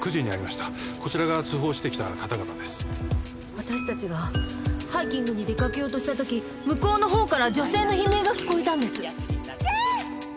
私たちがハイキングに出かけようとした時向こうのほうから女性の悲鳴が聞こえたんです。